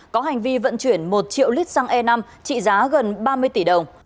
có hành vi vận chuyển một triệu lít xăng e năm trị giá gần ba mươi tỷ đồng